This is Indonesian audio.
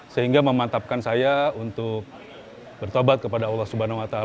sehingga memantapkan saya untuk bertobat kepada allah swt